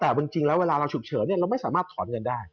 แต่จริงแล้วเวลาเราฉุกเฉินเราไม่สามารถถอนเงินได้